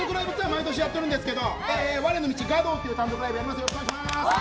毎年やってるんですけど我道という単独ライブをやります。